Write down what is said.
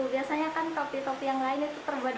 biasanya kan topi topi yang lainnya tuh tidak terlalu menarik